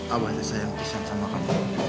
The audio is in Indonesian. abah tak sayang pisah sama kamu